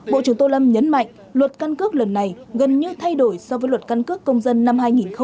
bộ trưởng tô lâm nhấn mạnh luật căn cước lần này gần như thay đổi so với luật căn cước công dân năm hai nghìn một mươi ba